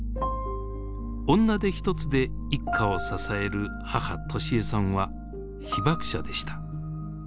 女手一つで一家を支える母敏恵さんは被爆者でした。